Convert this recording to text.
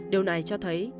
điều này cho thấy